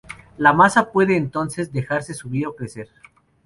La masa puede entonces dejarse subir o crecer.